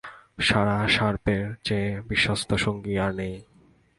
Sarah শার্পের চেয়ে বিশ্বস্ত সঙ্গী আর নেই।